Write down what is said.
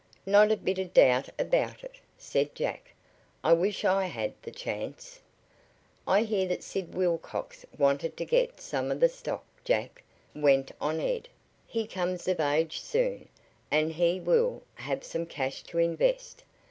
"Not a bit of doubt about it," said Jack. "I wish I had the chance." "I hear that Sid Wilcox wanted to get some of the stock, Jack," went on Ed. "He comes of age soon, and he will have some cash to invest.